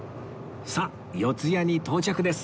さあ四谷に到着です